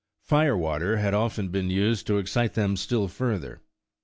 Fire water had often been used to excite them still further.